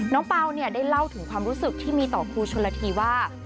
น้องเปล่าได้เล่าถึงความรู้สึกที่มีต่อครูชลธีว่า